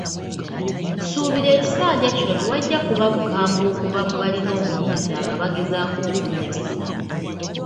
Nsuubira ekisanja kino tewajja kuba bukambwe okuva mu balina obuyinza nga bagezaako okunnemesa.